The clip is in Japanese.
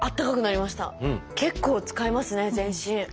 結構使いますね全身。